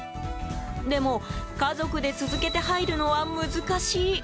でも、家族で続けて入るのは難しい。